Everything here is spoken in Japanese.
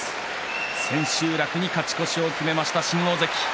千秋楽に勝ち越しを決めました新大関。